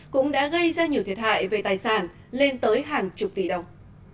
cũng đã gây ra nhiều thiệt hại về tài sản lên tới hàng chục tỷ đồng